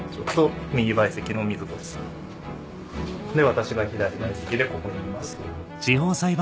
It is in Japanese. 私が左陪席でここにいます。